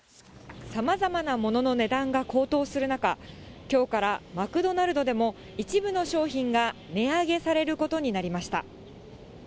さまざまなものの値段が高騰する中、きょうからマクドナルドでも、一部の商品が値上げされることになりました。